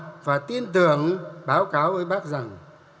và tự hào và tin tưởng báo cáo với bác rằng